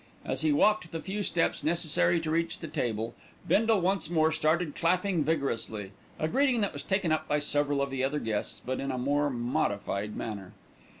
As he walked the few steps necessary to reach the table, Bindle once more started clapping vigorously, a greeting that was taken up by several of the other guests, but in a more modified manner.